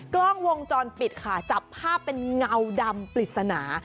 กล้องวงจรปิดค่ะจับภาพเป็นเงาดำปริศนา